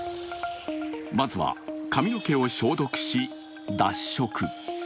まずは、髪の毛を消毒し脱色。